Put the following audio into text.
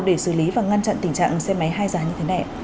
để xử lý và ngăn chặn tình trạng xe máy hai giá như thế này